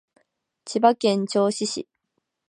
千葉県銚子市